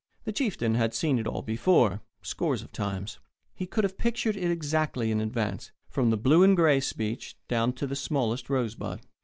The chieftain had seen it all before scores of times. He could have pictured it exactly in advance, from the Blue and Gray speech down to the smallest rosebud.